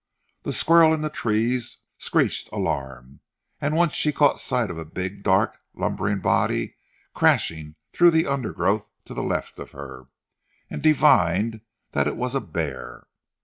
The squirrel in the trees screeched alarm and once she caught sight of a big, dark lumbering body crashing through the undergrowth to the left of her, and divined that it was a bear.